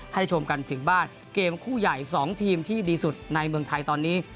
ชมกันถึงบ้านเกมคู่ใหญ่๒ทีมที่ดีสุดในเมืองไทยตอนนี้